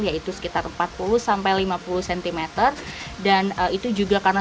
jadi ini harus dikawal